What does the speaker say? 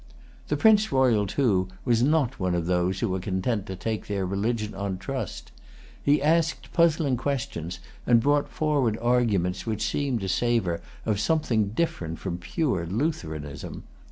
The Prince Royal, too, was not one of those who are content to take their religion on trust. He asked puzzling questions, and brought forward arguments which seemed to savor of something different from pure Lutheranism.